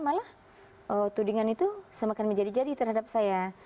malah tudingan itu semakin menjadi jadi terhadap saya